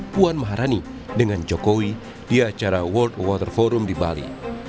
puan maharani dengan jokowi di acara world water forum di bali